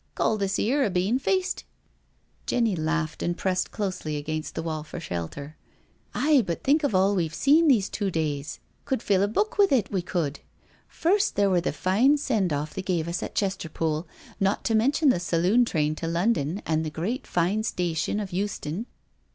" Call this 'ere a bean feast?" Jenny laughed and pressed closely against the wall for shelter. " Aye, but think of all we've seen these two days — could fill a book with it, we could. First there were the fine send off they gave us at Chester pool, not to mention the saloon train to London an' the great fine station of Euston.